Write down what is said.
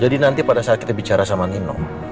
jadi nanti pada saat kita bicara sama nino